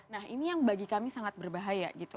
nah ini yang bagi kami sangat berbahaya gitu